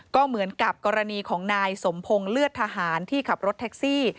ก็เหมือนกับกรณีของนายสมพงศ์เลือดทหารที่ขับรถแท็กซี่